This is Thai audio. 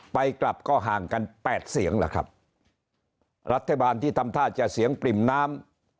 ไปกลับก็ห่างกันแปดเสียงล่ะครับรัฐบาลที่ทำท่าจะเสียงปริ่มน้ำ